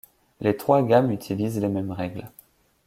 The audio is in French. Les trois gammes utilisent les mêmes règles.